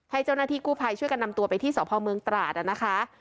ให้เจ้าหน้าที่กู้ภัยช่วยกันนำตัวไปที่สพเมืองตราดนะคะ